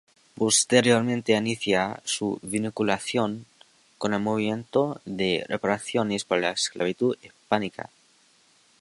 Posteriormente inicia su vinculación con el movimiento de reparaciones por la esclavitud hispánica.